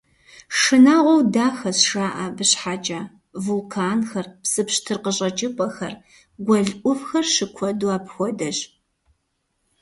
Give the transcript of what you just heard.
«Шынагъуэу дахэщ» жаӀэ абы щхьэкӀэ: вулканхэр, псы пщтыр къыщӀэкӀыпӀэхэр, гуэл Ӏувхэр щыкуэду апхуэдэщ.